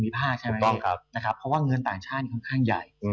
เพราะว่าเงินต่างชาติค่อนข้างใหญ่